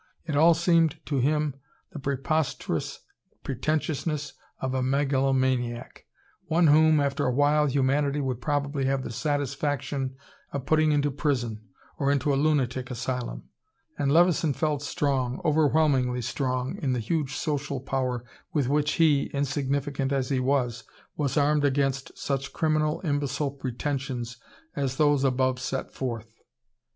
It all seemed to him the preposterous pretentiousness of a megalomaniac one whom, after a while, humanity would probably have the satisfaction of putting into prison, or into a lunatic asylum. And Levison felt strong, overwhelmingly strong, in the huge social power with which he, insignificant as he was, was armed against such criminal imbecile pretensions as those above set forth.